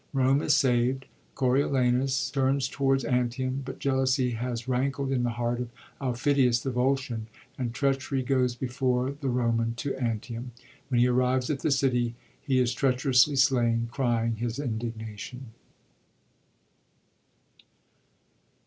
Rome is saved. Coriolanus turns towards Antium, but jealousy has rankled in the heart of Aufidius the Volscian, and treachery goes before the Roman to Antium. When he arrives at the city he is treacher ously slain, crying his indignation.